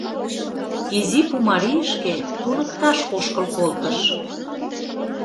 Изи Пумарийышке туныкташ ошкыл колтыш!